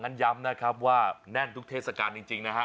ย้ำนะครับว่าแน่นทุกเทศกาลจริงนะฮะ